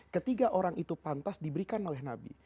ketiga orang itu pantas diberikan oleh nabi